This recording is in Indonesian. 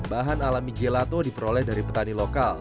bahan alami gelato diperoleh dari petani lokal